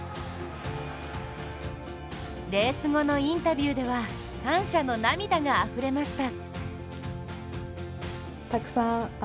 レース後のインタビューでは感謝の涙があふれました。